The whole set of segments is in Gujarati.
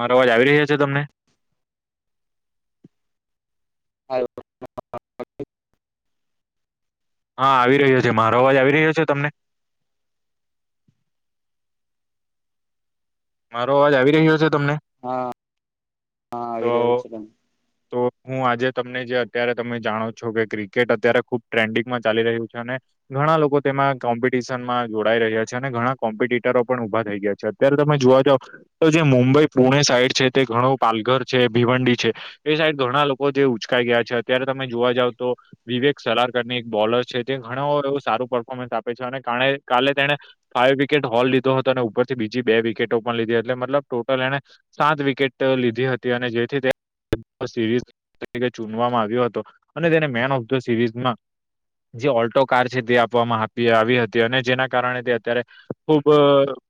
મારો અવાજ આવી રહ્યા છે તમને. આયો તો. હા [unintelligible] હા આવી રહ્યો છે મારો અવાજ આવી રહ્યો છે તમને. મારો અવાજ આવી રહ્યો છે તમને. હા હા તો આવી રહ્યો છે. તો હું આજે તમને જે અત્યારે તમે જાણો છો કે ક્રિકેટ અત્યારે ખુબ ટ્રેન્ડિંગમાં ચાલી રહ્યું છે અને ઘણા લોકો તેમાં કોમ્પિટિશન માં જોડાઈ રહ્યા છે અને ઘણા કોમ્પિટટરો પણ ઉભા થઈ ગયા છે. અત્યારે તમે જોવા જાવ તો જે મુંબઈ પુણે સાઈડ છે તે ઘણું પાલઘર છે ભીવંડી છે. એ સાઈડ ઘણા લોકો જે ઉચકાઈ ગયા છે અત્યારે તમે જોવા જાવ તો. વિવેક સલારકરની એક બોલર છે જે ઘણો એવું સારું પર્ફોર્મન્સ આપે છે અને કારણે કાલે તેળે. ફાવ વિકેટ હોલ લીધો હતો અને ઉપરથી બીજી બે વિકેટો પણ લીધી એલે મતલબ ટોટલ એને સાત વિકેટ લીધી હતી અને જેથી તે. સ [inaudible] તરી ચૂનવામાં આવ્યો હતો અને તેને મેન ઓફ ધ સિરીઝમાં. જે ઓલ્ટો કાર છે તે આપવામાં આવી આવી હતી અને જેના કારણે તે અત્યારે ખુબ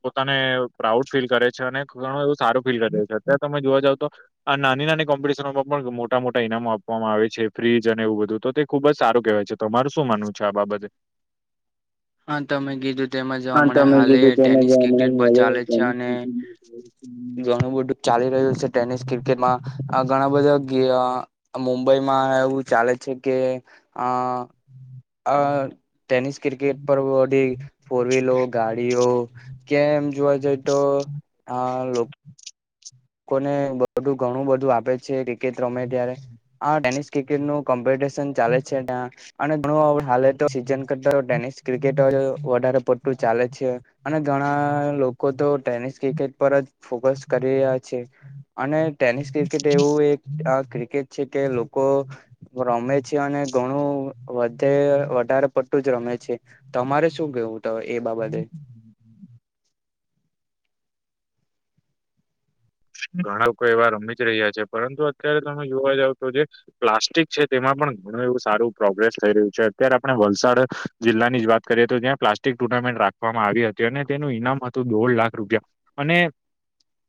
પોતાને પ્રાઉડ ફીલ કરે છે અને ઘણું એવું સારું ફીલ કરીે છે અત્યારે તમે જોવા જાવ તો. આ નાની નાની. કોમ્પટિશમાં પણ મોટા મોટા ઈનામો આપવામાં આવે છે ફ્રીજ અને એવું બધું તો તે ખુબ જ સારું કહેવા છે. તમારું શું માનવું છે આ બાબતે. હા તમે કીધું તેમાં જ હા હમણાં તમે હાલે કીધું તેમ જ ટેનિસ ક્રિકેટ બહુ ચાલે છે હમણાં અને હવે ઘણું બધું ચાલી રહ્યું છે ટેનિસ ક્રિકેટમાં. ઘણા બધા કે મુંબઈમાં એવું ચાલે છે કે અ. [inaudible] આ ટેનિસ ક્રિકેટ પરઢ પૂરવી લોક. ગાડીઓ કેમ એમ જોવા જઈ તો આ. લોકોને બધું ઘણું બધું આપે છે. ક્રિકેટ રમે ત્યારે આ ટેનિસ ક્રિકેટ નું કોમ્પિટશન ચાલે છે ત્યા. અને ઘણું હવે હાલે તો સીઝન કરતા તો ટેનિસ ક્રિકેટ જ વધારે પડતું ચાલે છે. અને ઘણા લોકો તો ટેનિસ ક્રિકેટ પર જ ફોકસ કરી રહ્યા છે. છે. અને ટેનિસ ક્રિકેટ એવું એક આ ક્રિકેટ છે કે લોકો રમે છે અને ઘણું વધે વધારે પડતું જ રમે છે. તમારે શું કેવું તો એ બાબતે. ઘણા લોકો એવા રમી જ રહ્યા છે પરંતુ અત્યારે તમે જોવા જાવ તો જે. પ્લાસ્ટિક છે તેમાં પણ ઘણું એવું સારું પ્રોગ્રેસ થઈ રહ્યું છે અત્યારે આપણે વલસાડ. જિલ્લાની જ વાત કરીએ તો ત્યાં પ્લાસ્ટિક ટુર્નામેન્ટ રાખવામાં આવી હતી અને તેનું ઈનામ હતું દોઢ લાખ રૂપિયા. અને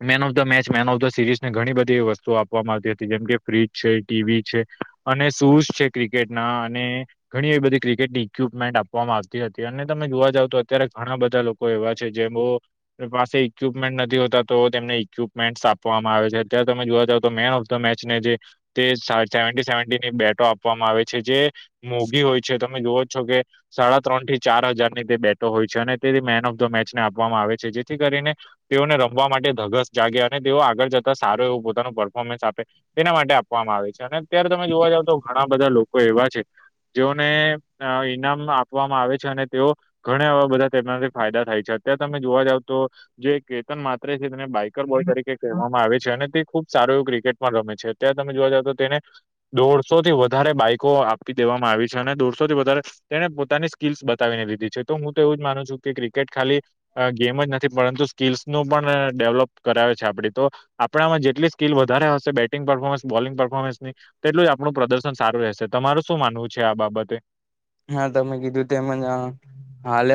man of. The match man of the series ને ઘણી બધી વસ્તુ આપવામાં આવતી હતી જેમ કે ફ્રીજ છે ટીવી છે. અને શૂઝ છે ક્રિકેટના અને ઘણી એવી બધી ક્રિકેટની ક્વિપમેન્ટ આપવામાં આવતી હતી અને તમે જોવા જાવ તો અત્યારે ઘણા બધા લોકો કોઈ એવા છે જેમ હો કોઈ પાસે ઈક્વિપમેન્ટ નથી હોતા તો તેમને ઈક્યું મેન્ટસ આપવામાં આવે છે અત્યારે તમે જોવા જાવ તો મેન ઓફ ધ મેચને જે તે સાઠ સેવન્ટી-સેવન્ટી ની બેટો આપવામાં આવે છે જે મોગી હોય છે તમે જોવો જ છો કે સાડા ત્રણ થી ચાર હજાર ની તે બેટો હોય છે અને તે મેન ઓફ ધ મેચને આપવામાં આવે છે જેથી કરીને તેઓને રમવા માટે ધગસ જાગે અને તેઓ આગળ જતા સારું એવું પોતાનું પરફોર્મન્સ આપે. તેના માટે આપવામાં આવે છે અને અત્યારે તમે જોવા જાવ તો ઘણા બધા લોકો એવા છે. જેઓને અ ઈનામ આપવામાં આવે છે અને તેઓ ઘણા એવા બધા તેમનાથી ફાયદા થાય છે અત્યારે તમે જોવા જાવ તો જે કેતન માત્રે છે તેને બાઈક ક્રિકેટ બોય તરીકે કહેવામાં આવે છે અને તે ખુબ સારું એવું ક્રિકેટમાં રમે છે અત્યારે તમે જોવા જઓ તો તેને દોઢસો થી વધારે બાઈકો આપી દેવામાં આવી છે અને દોઢસો થી વધારે તેણે પોતાની સ્કિલ્સ બતાવીને દીધી છે તો હું તો એવું જ માનું છું કે ક્રિકેટ ખાલી આ ગેમ જ નથી પરંતુ સ્કીલ્સ નું પણ અ ડેવલોપ કરાવે છે આપડી તો આપણામાં જેટલી સ્કીલ વધારે હશે બેટિંગ પરફોર્મન્સ બોલિંગ પરફોમન્સની તેટલું જ આપણું પ્રદર્શન સારું રહેશે તમાર શું માનવું છે આ બાબતે? હા તમે કીધું તેમજ હા એ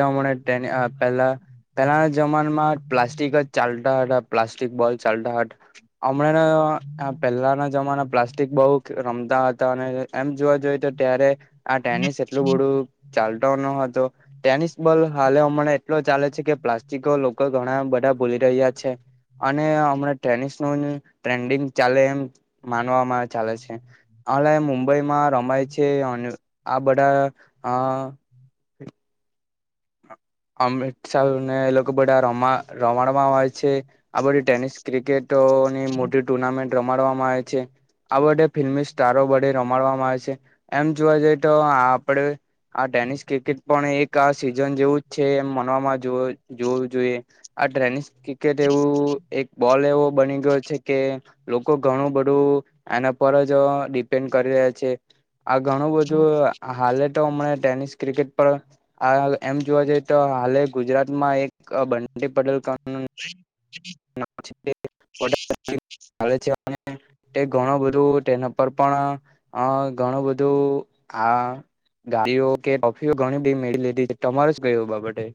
હાલે ટેન અ પહેલા પેલાના જમાનામાં પ્લાસ્ટિક જ ચાલતા હતા પ્લાસ્ટિક બોલ ચાલતા હતા. હમણાં પહેલાના જમાના પ્લાસ્ટિક બહુ રમતા હતા અને એમ જોવા જોઈએ તો ત્યારે આ ટેનીસ નું ચાલતો ન હતો ટેનિસ બોલ હાલે હમ એટલો ચાલે છે કે પ્લાસ્ટિક લોકો લોકો ઘણા બધા ભૂલી રહ્યા છે. અને હમણાં ટેનિસ ન ટ્રેન્ડિંગ ચાલે એમ. માનવામાં ચાલે છે હલે મુંબઈમાં રમાય છે અને આ બધા હા. અ અમૃતસર ને એ લોકો બધા રમા રમાડવામાં આવે છે. આ બધી ટેનિસ ક્રિકેટોની મોટી ટુર્નામેન્ટ રમાડવામાં આવે છે. આ બધે ફિલ્મી સ્ટારો વડે રમાડવામાં આવે છે એમ જોવા જઈએ તો આપડે આ ટેનિસ ક્રિકેટ પણ એક આ સિઝન જેવું જ છે એમ મનવામાં જોવું જોઈએ. આ ટ્રેનિસ ક્રિકેટ એવું એક બોલ એવો બની ગયો છે કે લોકો ઘણું બધું એના પર જ ડિપેન્ડ કરી રહ્યા છે. આ ઘણું બધું હાલે તો હમણા ટેનિસ ક્રિકેટ પર આ હાલ એમ જોવા જઈએ તો હાલે ગુજરાતમાં એક બંટી પડલ ગામનું [inaudible] [unintelligible] તે ઘણું બધું તેના પર પણ અ ઘણું બધું આ ગાડીઓ કે ટોફીઓ ઘણી બધી મેળી લીધી તમારે જ ગયો બાબતે?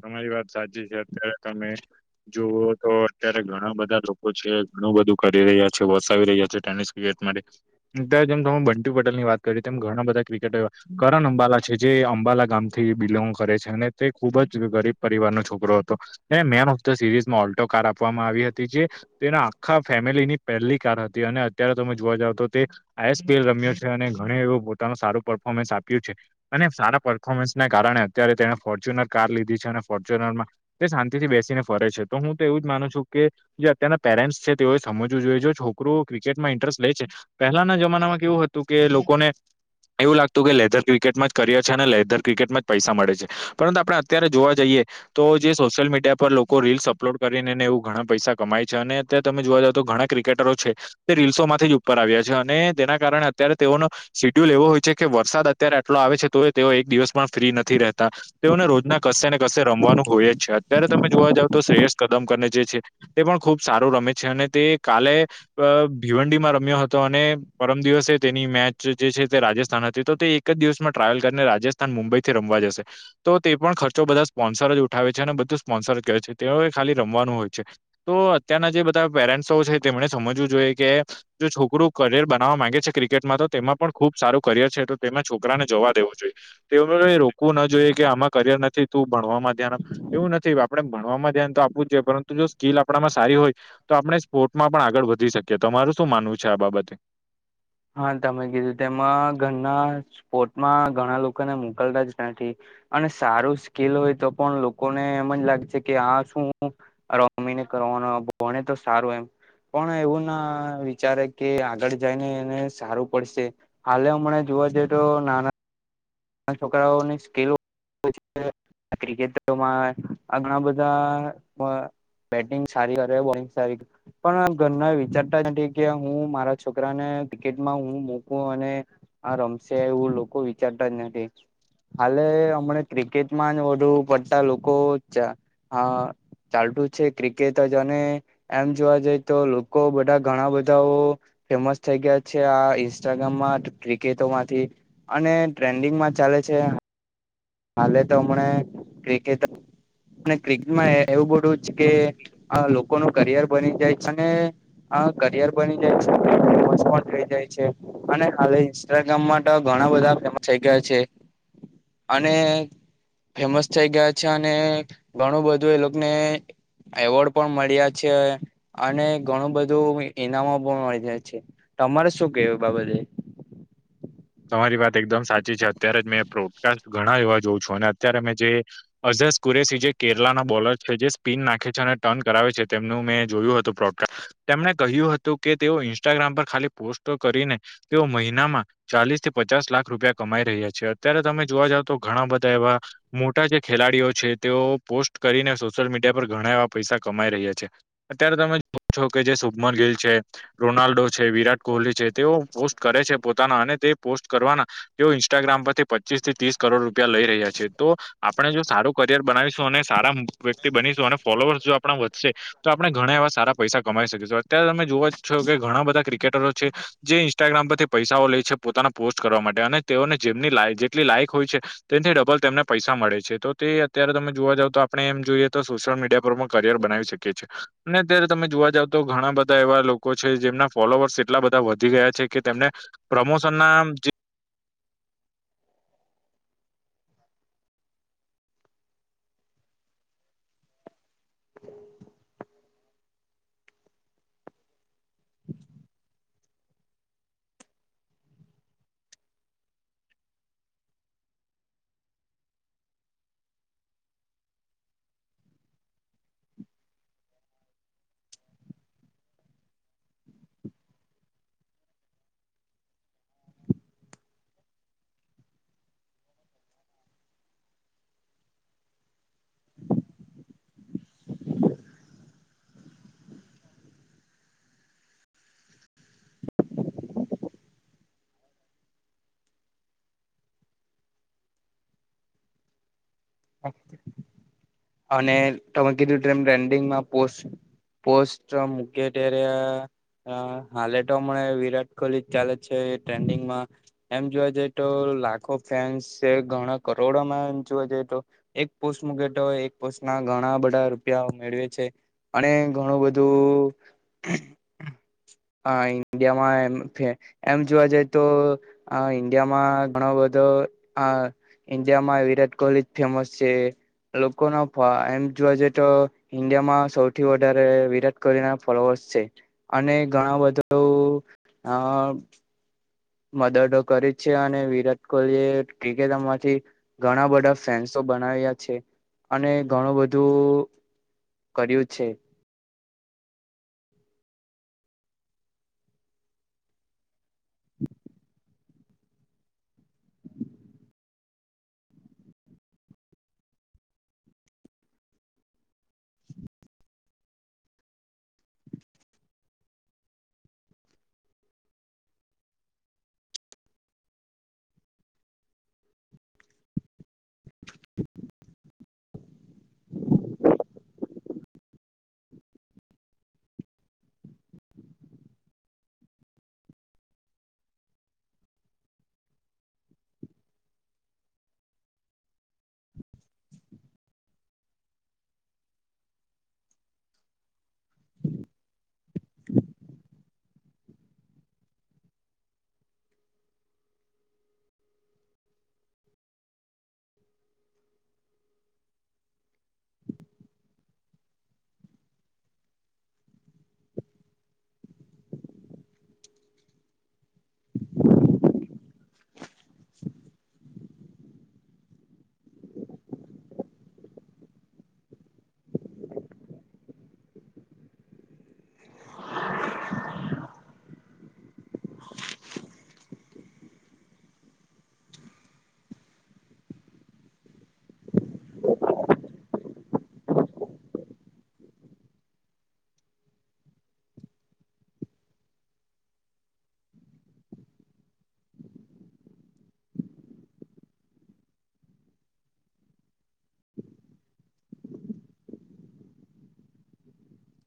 તમારી વાત સાચી છે અત્યારે તમે જોઓ તો અત્યારે ઘણા બધા લોકો છે ઘણું બધું કરી રહ્યા છે વસાવી રહ્યા છે ટેનિસ. ઉ એસ માટે ત્યારે જેમ તમે બંટી પટેલ ની વાત કરી તેમ ઘણા બધા ક્રિકેટરો એવા કરન અંબાલા છે જે અંબાલા ગામથી બિલોંગ કરે છે અને તે ખૂબ જ ગરીબ પરિવારનો છોકરો હતો એને મેન ઓફ ધ સિરીઝ માં ઓલ્ટો કાર આપવામાં આવી હતી જે તેના આખા ફેમિલીની પહેલી કાર હતી અને અત્યારે તમે જોવા જાવ તો તે આઈ એસ પી એલ રમ્યો છે અને ઘણ એવું પોતાનું સારું પરર્ફોર્મન્સ આપ્યું છે. અને સારા પરર્ફોર્મન્સને કારણે અત્યારે તેને ફોર્ચ્યુનર કાર લીધી છે અને ફોર્ચ્યુનરમાં તે શાંતિ થી બેસીને ફરે છે. તો હું તો એવું જ માનું છું કે જે અત્યારના પેરેન્ટ્સ છે તેઓએ સમજવું જોઈએ જો છોકરોઓ ક્રિકેટમાં ઇન્ટરેસ્ટ લે છે. પહેલાના જમાનામાં કેવું હતું કે લોકોને એવું લાગતું કે લેધર ક્રિકેટમાં જ કરિયર છે અને લેધર ક્રિકેટમાં જ પૈસા મળે છે પરંતુ આપડ અત્યારે જોવા જઈએ તો જે સોશિયલ મીડિયા પર લોકો રીલ્સ અપલોડ કરીને ને એવું ઘણા પૈસા કમાય છે અને અત્યારે તમે જોવા જાવ તો ઘણા ક્રિકેટ તે રીલ્સો માંથી જ ઉપર આવ્યા છે અને તેના કારણે અત્યારે તેઓનો શિડ્યુલ એવો હોય છે કે વરસાદ અત્યારે આટલો આવે છે તો તેઓ એક દિવસમાં ફ્રી નથી રહેતા તેઓને રોજના કશે ને કશે રમવાનું હોય જ છે અત્યારે તમે જોવા જાઓ તો શ્રેયસ કદમ તે પણ ખૂબ સારું રમે છે અને તે કાલે અ ભીવંડીમાં રમ્યો હતો અને પરમ દિવસે તેની મેચ જે છે તે રાજસ્થાન હતી તો તે એક એક જ દિવસમાં ટ્રાવેલ કરીને રાજસ્થાન મુંબઈ થી રમવા જશે તો તે પણ ખર્ચ બધા સ્પોન્સર જ ઉઠાવે છે અને બધું સ્પોન્સર કહે છે તેઓ ખાલી રમવાનું હોય છે. તો અત્યારના જે બધા પેરેન્ટ્સો છે તેમણે સમજવું જોઈએ કે જો છોકરું કરિયર બનાવવા માંગે છે ક્રિકેટમાં તો તેમાં પણ ખુબ સારું કરિયર છે તો તેમાં છોકરાને જોવા દેવો જોઈએ. તે એ રોકવું ના જોઈએ કે આમાં કરિયર નથી તું ભણવામાં ધ્યાન એવું નથી આપ આપણે ભણવામાં ધ્યાન તો આપવું જ જોઈએ પરંતુ જો સ્કીિલ આપણામાં સારી હોય તો આપણે સ્પોર્ટમાં પણ આગળ વધી શકીએ તો તમારું શું માનવું છે આ બાબતે. હા તમે કીધું તેમાં ઘરના સ્પોટમાં ઘણા લોકોને મોકલતા જ નથી. અને સારું સ્કીલ હોય તો પણ લોકોને એમજ લાગે છે કે આ શું આ રમીને કરવાનો ભણે તો સારું એમ. પણ એવું ના વિચારે કે આગળ જઈને. ને સારું પડશે હાલે હમણા જોવા જઈએ તો ના ના છોકરાઓ ની સ્કેલો [unintelligible] ક્રિકેટરોમાં ઘણા બધા બેટિંગ સારી કરે બોલિંગ સારી પણ ઘરના વિચારતા નથી કે હું મારા છોકરાને ક્રિકેટમાં હું મૂકું અને હા રમશે એવું લોકો વિચારતા જ નથી. હાલે હમણા ક્રિકેટમાં જ વધુ પડતા લોકો ચાલતું છે ક્રિકેટ જ ને એમ જોવા જઈ તો લોકો બધા ઘણા બધાઓ ફેમસ થઈ ગયા છે આ ઇન્સ્ટાગ્રામમાં ક્રિકેટો માંથી અને ટ્રેન્ડિંગમાં ચાલે છે. હાલે તો હમણા ક્રિકેટ અને ક્રિકેટમાં એવું બધું કે આ લોકો નું કરિયર બની જાય અને હા કરિયર બની જાય છે [unintelligible] થઈ જાય છે. અને હાલે ઇન્સ્ટાગ્રામ માતો ઘણા બધા ફેમસ થઈ ગયા છે. અને ફેમસ થઈ ગયા છે અને ઘણું બધું એ લોકને એવોર્ડ પણ મળ્યા છે અને ઘણું બધું ઈનામો પણ મળી છે તમારે શું કેવું એ બાબતે તમારી વાત એકદમ સાચી છે અત્યારે જ મેં પ્રોડકાસ્ટ ઘણા એવા જોઉં છું અને અત્યારે મેં જે અઝસ કુરેશી જે કેરલાના બોલર છે જે સ્પિન નાખે છે અને ટર્ન કરાવે છે તેમનું મેં જોયું હતું પ્રોડકા તેમણે કહ્યું હતું કે તેઓ ઇન્સ્ટાગ્રામ પર ખાલી પોસ્ટો કરીને તેઓ મહિનામાં ચાલીસ થી પચાસ લાખ રૂપિયા કમાઈ રહ્યા છે અત્યારે તમે જોવા જાવ તો ઘણા બધા એવા મોટા જે ખેલાડીઓ છે તેઓ પોસ્ટ કરીને સોશિયલ મીડિયા પર ઘણા એવા પૈસા કમાઈ રહ્યા છે. અત્યારે તમે જો છો કે જે સુભમન ગિલ છે. રોનાલ્ડો છે, વિરાટ કોહલી છે તેઓ પોસ્ટ કરે છે પોતાના અને તે પોસ્ટ કરવાના તેઓ ઇન્સ્ટાગ્રામ પરથી પચીસ થી ત્રીસ કરોડ રૂપિયા લઈ રહ્યા છે. તો આપણે જો સારું કરિયર બનાવીશું અને સારા વ્યક્તિ બનીશું અને ફોલોઅર્સ જો આપણા વધશે તો આપણે ઘણા એવા સા પૈસા કમાઈ શકીએ અત્યારે તમે જોવા જ છો કે ઘણા બધા ક્રિકેટરો છે જે ઇન્સ્ટાગ્રામ પરથી પૈસાઓ લે છે પોતાના પોસ્ટ કરવા માટે અને તેઓને જેમની લાય જેટલી લાયક હોય છે. તેથી ડબલ તેમને પૈસા મળે છે તો તે અત્યારે તમે જોવા જાવ તો આપણે એમ જોઈએ તો સોશિયલ મીડિયા કરિયર બનાવી શકીએ છીએ. અને અત્યારે તમે જોવા જાવ તો ઘણા બધા એવા લોકો છે જેમના ફોલોઅર્સ એટલા બધા વધી ગયા છે કે તેમને પ્રમોશન ના અને તમે કીધું ટ્રેડિંગમાં પોસ્ટ પોસ્ટ મુંકિયે ત્યારે હ હાલે તો હમણા વિરાટ કોહલી ચાલે છે ટ્રેન્ડિંગમાં. એમ જોવા જઈએ તો લાખો ફેન્સ છે ઘણા કરોડોમાં એમ જોવા જઈએ તો એક પોસ્ટ મકેટો એક પોસ્ટ ના ઘણા બધા રૂપિયા મેળવે છે. અને ઘણું બધું હા ઇન્ડિયામાં એ એમ જોવા જઈ તો હ ઇન્ડિયામાં ઘણો બધો આ ઇન્ડિયામાં વિરાટ કોહલી ફેમસ છે લોકો ના એમ જોવા જઈએ તો ઈન્ડિયામાં સૌથી વધારે વિરાટ કોહલી ના ફોલોઅર્સ છે. અને ઘણા બધું અ મદદો કરે જ છે અને વિરાટ કોહલી એ ક્રિકેટમાંથી ઘણા બધા ફેન્સો બનાવ્યા છે અને ઘણું બધું કર્યું છે.